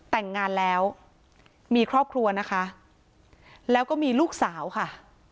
แต่งงานแล้วมีครอบครัวนะคะแล้วก็มีลูกสาวค่ะ